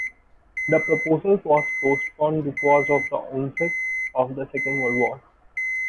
The proposal was postponed because of the onset of the Second World War.